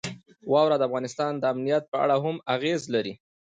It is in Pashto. واوره د افغانستان د امنیت په اړه هم اغېز لري.